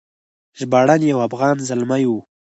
ژباړن یو افغان زلمی و.